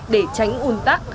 để tránh ủn tắc